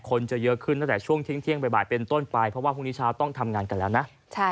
คนจะเยอะขึ้นตั้งแต่ช่วงเที่ยงบ่ายเป็นต้นไปเพราะว่าพรุ่งนี้เช้าต้องทำงานกันแล้วนะ